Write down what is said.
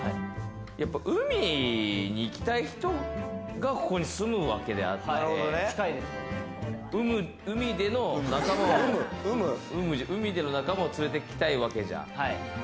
海に行きたい人がここに住むわけであって、海での仲間を連れてきたいわけじゃん。